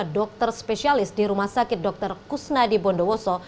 dua puluh dua dokter spesialis di rumah sakit dr kusnadi bondowoso